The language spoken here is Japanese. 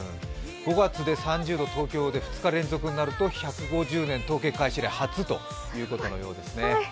５月で３０度、２日連続となる１５０年、統計開始以降、初ということですね。